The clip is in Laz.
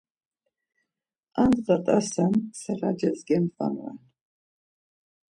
Andğa t̆asen selaces gemdvanoren.